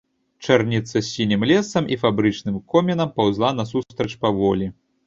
Чарніца з сінім лесам і фабрычным комінам паўзла насустрач паволі.